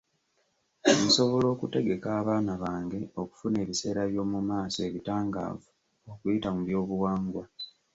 Nsobola okutegeka abaana bange okufuna ebiseera by'omu maaso ebitangaavu okuyita mu byobuwangwa.